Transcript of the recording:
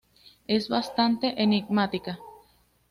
Es bastante enigmática.